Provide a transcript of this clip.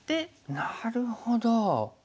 なるほど。